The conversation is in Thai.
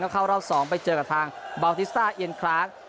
เข้ารอบ๒ไปเจอกับทางเบาทิสต้าเอียนคลาส